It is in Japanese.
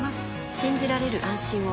信じられる、安心を。